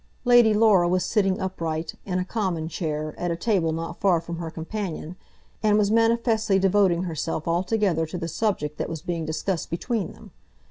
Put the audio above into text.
Lady Laura was sitting upright, in a common chair, at a table not far from her companion, and was manifestly devoting herself altogether to the subject that was being discussed between them.